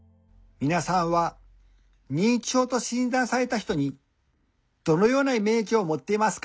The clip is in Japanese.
「みなさんは『認知症』と診断された人にどのようなイメージを持っていますか？